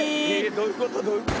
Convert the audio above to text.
どういうこと？